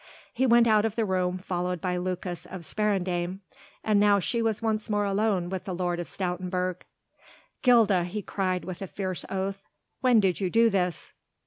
He went out of the room followed by Lucas of Sparendam, and now she was once more alone with the Lord of Stoutenburg. "Gilda," he cried with a fierce oath, "when did you do this?"